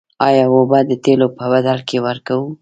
آیا اوبه د تیلو په بدل کې ورکوو؟